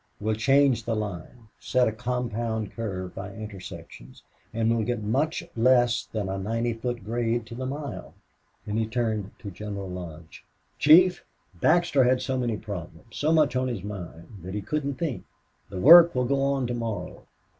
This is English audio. We'll change the line set a compound curve by intersections and we'll get much less than a ninety foot grade to the mile." Then he turned to General Lodge. "Chief, Baxter had so many problems so much on his mind that he couldn't think... The work will go on tomorrow."